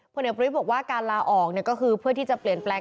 เด็กประวิทย์บอกว่าการลาออกก็คือเพื่อที่จะเปลี่ยนแปลง